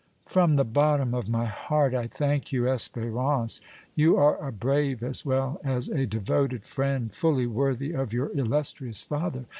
"From the bottom of my heart I thank you, Espérance. You are a brave as well as a devoted friend, fully worthy of your illustrious father!